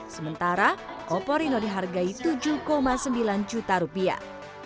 sementara oppo reno dihargai tujuh sembilan juta rupiah